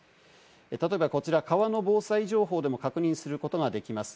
例えばこちら、川の防災情報でも確認することができます。